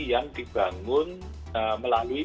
yang dibangun melalui